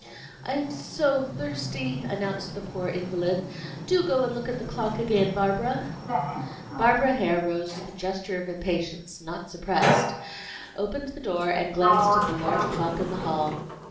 "I am so thirsty!" announced the poor invalid. "Do go and look at the clock again, Barbara." Barbara Hare rose with a gesture of impatience, not suppressed, opened the door, and glanced at the large clock in the hall.